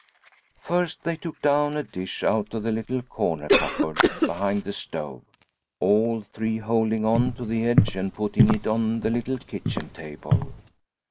First they took down a dish out of the little corner cupboard behind the stove, all three holding on to the edge and putting it on the little kitchen table.